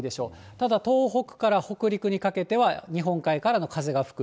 ただ、東北から北陸にかけては、日本海からの風が吹く。